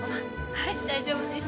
はい大丈夫です。